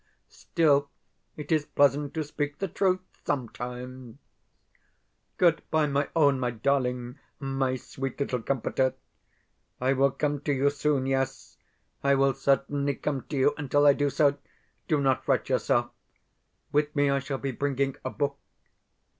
Still, it is pleasant to speak the truth sometimes. Goodbye, my own, my darling, my sweet little comforter! I will come to you soon yes, I will certainly come to you. Until I do so, do not fret yourself. With me I shall be bringing a book.